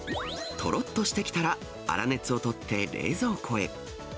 とろっとしてきたら、粗熱を取って冷蔵庫へ。